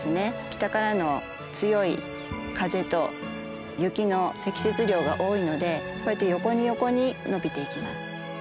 北からの強い風と雪の積雪量が多いのでこうやって横に横に伸びていきます。